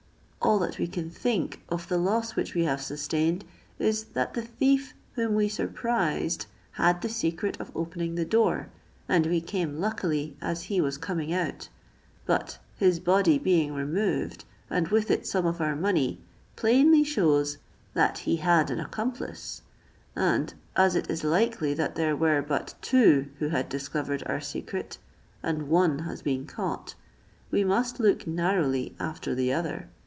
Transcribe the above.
All that we can think of the loss which we have sustained is, that the thief whom we surprised had the secret of opening the door, and we came luckily as he was coming out: but his body being removed, and with it some of our money, plainly shews that he had an accomplice; and as it is likely that there were but two who had discovered our secret, and one has been caught, we must look narrowly after the other.